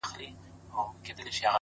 هره شېبه د انتخاب ځواک لري،